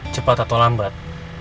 cepat atau lambat